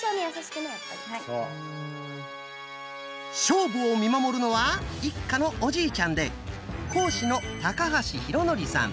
勝負を見守るのは一家のおじいちゃんで講師の高橋浩徳さん。